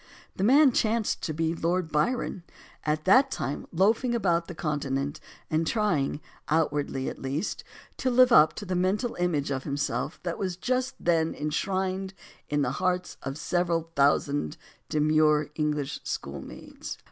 The man chanced to be Lord Byron, at that time loafing about the Continent and trying, outwardly at least, to live up to the mental image of himself that LOLA MONTEZ 5 was just then enshrined in the hearts of several thou sand demure English schoolmaids.